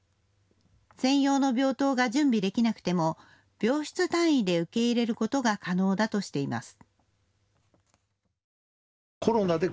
専用の病棟が準備できなくても病室単位で受け入れることが可能だとしています。